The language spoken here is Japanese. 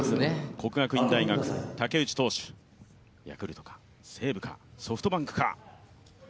国学院大学・武内投手、ヤクルトか、西武か、ソフトバンクか。